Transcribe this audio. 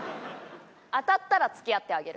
当たったら付き合ってあげる。